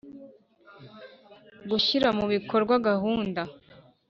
Gushyira mu bikorwa gahunda